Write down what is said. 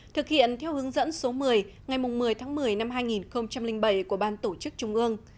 thực hiện theo hướng dẫn số một mươi ngày một mươi tháng một mươi năm hai nghìn bảy của ban tổ chức trung ương